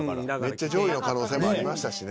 めっちゃ上位の可能性もありましたしね。